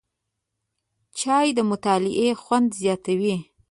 چای د مطالعې خوند زیاتوي